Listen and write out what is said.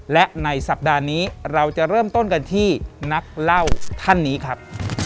และในสัปดาห์นี้เราจะเริ่มต้นกันที่นักเล่าท่านนี้ครับ